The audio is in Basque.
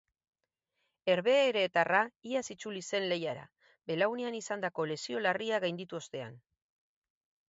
Herbeheretarra iaz itzuli zen lehiara, belaunean izandako lesio larria gainditu ostean.